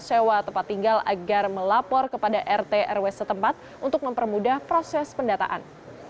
sewa tempat tinggal agar melapor kepada rt rw setempat untuk mempermudah proses pendataan